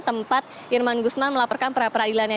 tempat irman gusman melaporkan pra peradilannya